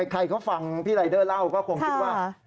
แต่ใครก็ฟังพี่ไลเดอร์เล่าก็คงคิดว่า